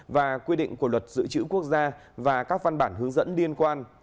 và quy định của luật dự trữ quốc gia và các văn bản hướng dẫn liên quan